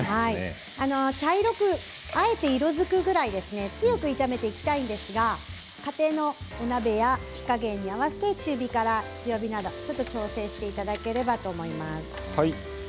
茶色くあえて色づくぐらいまで強く炒めていきたいんですが家庭の鍋や火加減に合わせて調整していただければと思います。